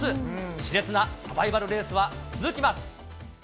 しれつなサバイバルレースは続きます。